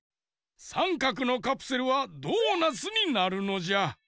さんかくのカプセルはドーナツになるのじゃ。